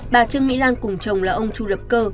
bà trương mỹ lan cùng chồng là ông chu lập cơ